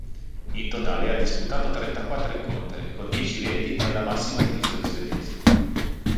In totale, ha disputato trentaquattro incontri, con dieci reti, nella massima divisione svedese.